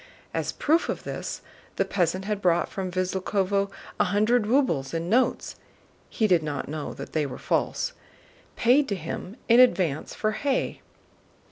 As proof of this the peasant had brought from Visloúkhovo a hundred rubles in notes (he did not know that they were false) paid to him in advance for hay.